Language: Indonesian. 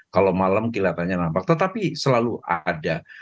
kalau malam kelihatannya nampak tetapi selalu ada